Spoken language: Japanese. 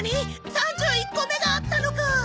３１個目があったのか！